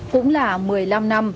cũng là một mươi năm năm